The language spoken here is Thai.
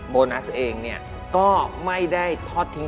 โบนัสเองก็ไม่ได้ทอดทิ้ง